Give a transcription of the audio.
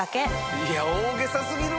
いや大げさ過ぎるわ！